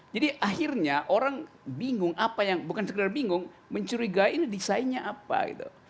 jadi akhirnya orang bingung apa yang bukan sekedar bingung mencurigai ini desainnya apa gitu